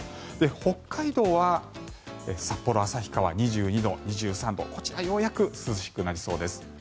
北海道は札幌、旭川２２度、２３度こちらようやく涼しくなりそうです。